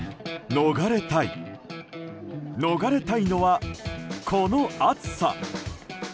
逃れたい、逃れたいのはこの暑さ。